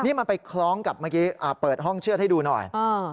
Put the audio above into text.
นี่มันไปคล้องกับเมื่อกี้เปิดห้องเชือดให้ดูหน่อย